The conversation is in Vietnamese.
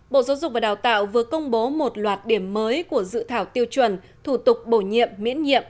bộ giáo dục và đào tạo vừa công bố một loạt điểm mới của dự thảo tiêu chuẩn thủ tục bổ nhiệm miễn nhiệm